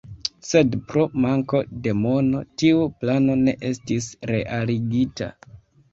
Sed pro manko de mono tiu plano ne estis realigita.